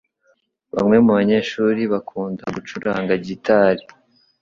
Bamwe mubanyeshuri bakunda gucuranga gitari.